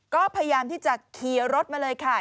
ก็พยายามที่จะขี่รถมาเลยค่ะ